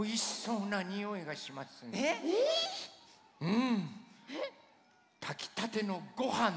うん。